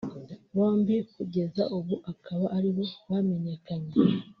bombi kugeza ubu akaba aribo bamenyekanye